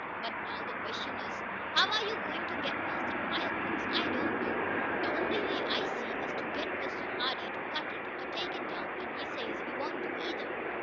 But now the question is, How are you going to get past that wire fence?" "I don't know. The only way I see is to get Mr. Hardee to cut it, or take it down, and he says he won't do either."